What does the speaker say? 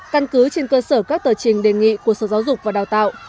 căn cứ trên cơ sở các tờ trình đề nghị của sở giáo dục và đào tạo